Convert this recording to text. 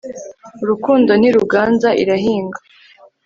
urukundo ntiruganza; irahinga